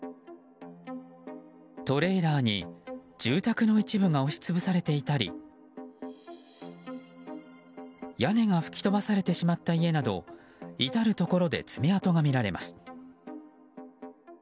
トレーラーに住宅の一部が押し潰されていたり屋根が吹き飛ばされてしまった家など至るところで爪痕が見られます。